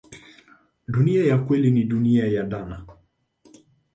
Dunia ya kweli ni dunia ya dhana.